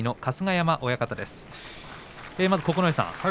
まず九重さん